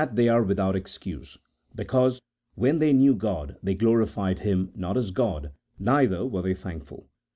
they are without excuse, because, when they knew God, they glorified Him not as God, neither were they thankful."